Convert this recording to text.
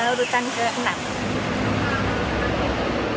urutan ke enam